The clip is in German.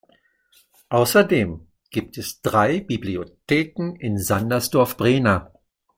Außerdem gibt es drei Bibliotheken in Sandersdorf-Brehna.